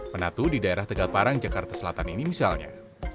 penatu di daerah tegal parang jakarta selatan ini misalnya